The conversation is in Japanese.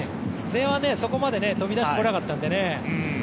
前半はそこまで飛び出してこないのでね。